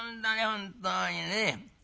本当にね。